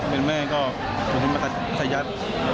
เป็นแม่ก็สมมุติสัมปัชฌายัด